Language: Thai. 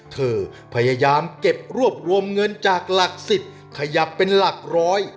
เธอพยายามเก็บรวบรวมเงินจากหลักสิบขยับเป็นหลักร้อย